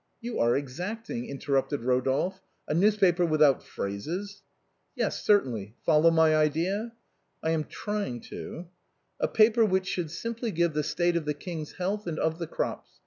" You are exacting," interrupted Rodolphe ;" a news paper without phrases !"" Yes, certainly. Follow my idea ?"" I am trying to." "A paper which should simply give the state of the King's health and of tlie crops.